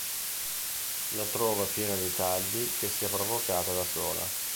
La trova piena di tagli che si è provocata da sola.